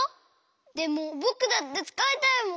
でもぼくだってつかいたいもん。